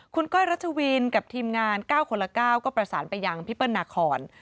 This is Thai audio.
คุณก้อยรัชวินกับทีมงาน๙คนละ๙ก็ประสานไปยังพี่เปิ้ลนาคอน